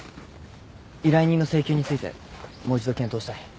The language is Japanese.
依頼人の請求についてもう一度検討したい。